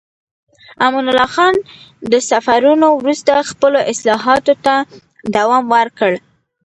امان الله خان د سفرونو وروسته خپلو اصلاحاتو ته دوام ورکړ.